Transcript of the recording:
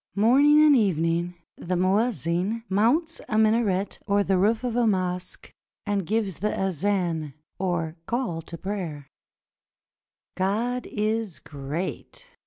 Morning and evening the muezzin mounts a minaret or the roof of a mosque, and gives the azan, or call to prayer: "God is great!